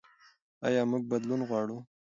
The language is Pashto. ایا موږ بدلون غواړو؟